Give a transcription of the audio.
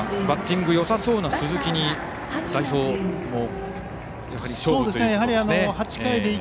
バッティングがよさそうな鈴木に代走を。